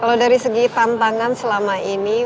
kalau dari segi tantangan selama ini